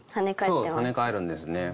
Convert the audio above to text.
そうですね跳ね返るんですね。